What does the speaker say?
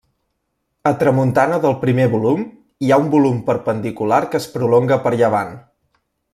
A tramuntana del primer volum hi ha un volum perpendicular que es prolonga per llevant.